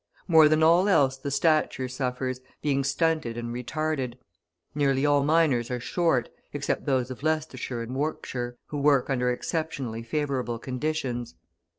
More than all else the stature suffers, being stunted and retarded; nearly all miners are short, except those of Leicestershire and Warwickshire, who work under exceptionally favourable conditions.